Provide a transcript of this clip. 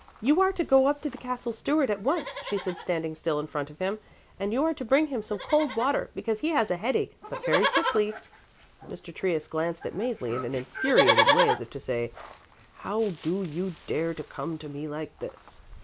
"You are to go up to the Castle Steward at once," she said standing still in front of him, "and you are to bring him some cold water, because he has a headache. But very quickly." Mr. Trius glanced at Mäzli in an infuriated way as if to say: "How do you dare to come to me like this?"